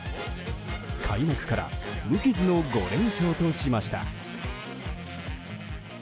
開幕から無傷の５連勝としました。